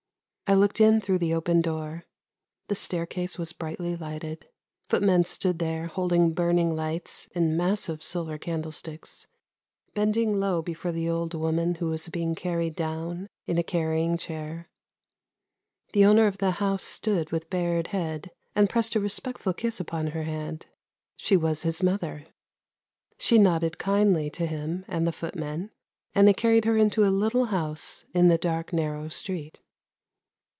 I looked in through the open door, the staircase was brightly lighted, footmen stood there holding burning lights in massive silver candlesticks, bend ing low before the old woman who was being carried down in a carrying chair. The owner of the house stood with bared head, and pressed a respectful kiss upon her hand. She was his mother ; she nodded kindly to him and the footmen, and they carried her into a little house in the dark narrow street.